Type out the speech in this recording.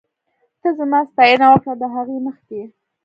ته زما ستاينه وکړه ، د هغې مخکې